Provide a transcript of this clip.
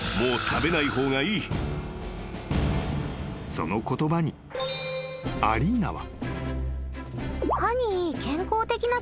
［その言葉にアリーナは］